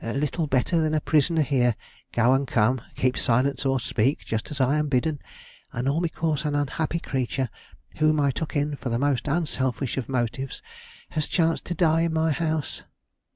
"Little better than a prisoner here, go and come, keep silence or speak, just as I am bidden; and all because an unhappy creature, whom I took in for the most unselfish of motives, has chanced to die in my house!"